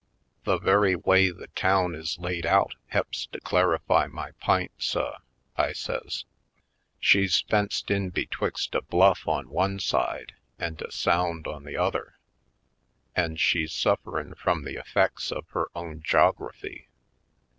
The very way the town is laid out he'ps to clarify my p'int, suh," I says. "She's fenced in betwixt a bluff on one side an' a Sound on the other, an' she'« Last Words 267 sufferin' frum the effects of her own jog graphy.